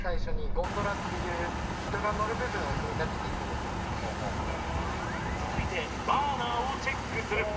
まず最初に続いてバーナーをチェックする。